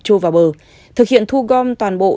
chô vào bờ thực hiện thu gom toàn bộ